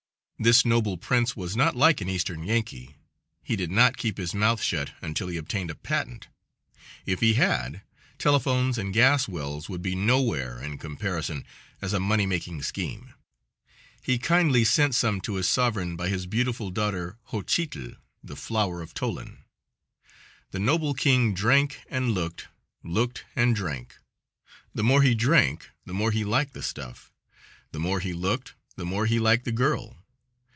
This noble prince was not like an Eastern Yankee; he did not keep his month shut until he obtained a patent. If he had, telephones and gas wells would be nowhere in comparison as a money making scheme. He kindly sent some to his sovereign by his beautiful daughter, Xochitl, the flower of Tollan. The noble king drank and looked, looked and drank the more he drank the more he liked the stuff; the more he looked the more he liked the girl.